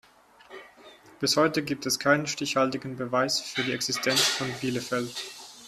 Bis heute gibt es keinen stichhaltigen Beweis für die Existenz von Bielefeld.